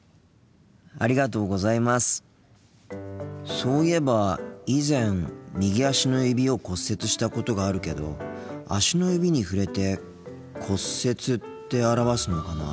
そういえば以前右足の指を骨折したことがあるけど足の指に触れて「骨折」って表すのかな。